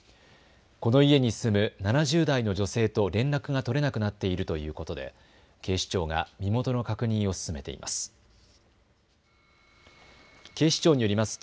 この家に住む７０代の女性と連絡が取れなくなっているということで警視庁が身元の確認を進めています。